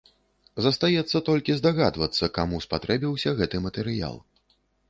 Застаецца толькі здагадвацца, каму спатрэбіўся гэты матэрыял.